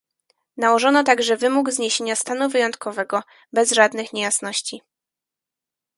Nałożono także wymóg zniesienia stanu wyjątkowego, bez żadnych niejasności